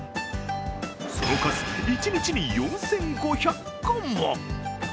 その数、一日に４５００個も！